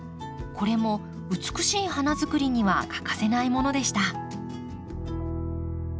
これも美しい花づくりには欠かせないものでした。